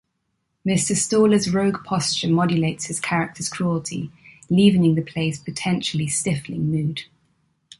Mr. Staller's rogue posture modulates his character's cruelty, leavening the play's potentially stifling mood.